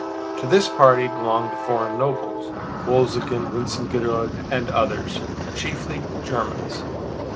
To this party belonged the foreign nobles, Wolzogen, Wintzingerode, and others, chiefly Germans.